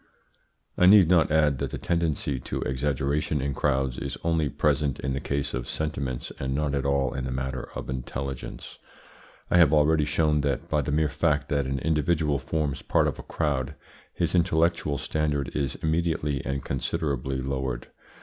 I need not add that the tendency to exaggeration in crowds is only present in the case of sentiments and not at all in the matter of intelligence. I have already shown that, by the mere fact that an individual forms part of a crowd, his intellectual standard is immediately and considerably lowered.